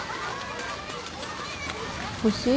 欲しい？